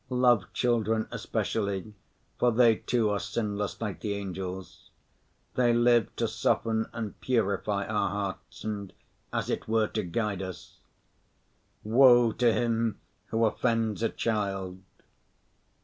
Love children especially, for they too are sinless like the angels; they live to soften and purify our hearts and as it were to guide us. Woe to him who offends a child!